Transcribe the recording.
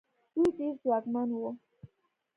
دوی ډېر ځواکمن وو.